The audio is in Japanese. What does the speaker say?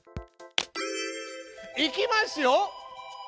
いきますよ！